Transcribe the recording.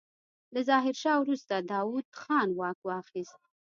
له ظاهرشاه وروسته داوود خان واک واخيست.